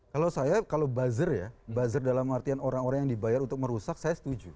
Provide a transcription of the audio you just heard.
kalau saya kalau buzzer ya buzzer dalam artian orang orang yang dibayar untuk merusak saya setuju